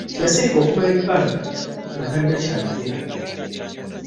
Yasirika okumala ebbanga nga talina kyayogera!